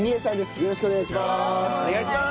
よろしくお願いします。